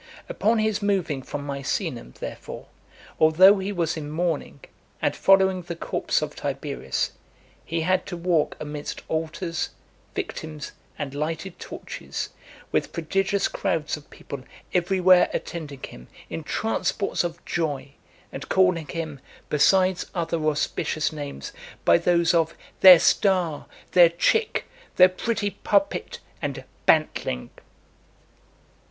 Upon his moving from Misenum, therefore, although he was in mourning, and following the corpse of Tiberius, he had to walk amidst altars, victims, and lighted torches, with prodigious crowds of people everywhere attending him, in transports of joy, and calling him, besides other auspicious names, by those of "their star," "their chick," "their pretty puppet," and "bantling."